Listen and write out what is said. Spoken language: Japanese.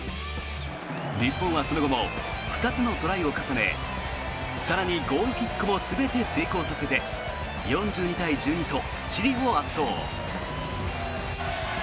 日本はその後も２つのトライを重ね更にゴールキックも全て成功させて４２対１２とチリを圧倒。